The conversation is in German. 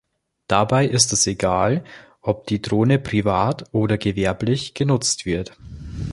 Dabei ist es egal, ob die Drohne privat oder gewerblich genutzt wird.